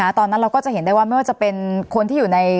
ตอนนั้นเราก็จะเห็นได้ว่าไม่ว่าจะเป็นคนที่อยู่ใน